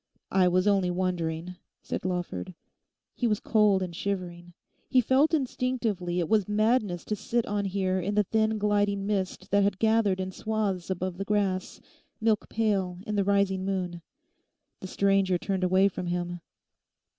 'I was only wondering,' said Lawford. He was cold and shivering. He felt instinctively it was madness to sit on here in the thin gliding mist that had gathered in swathes above the grass, milk pale in the rising moon. The stranger turned away from him.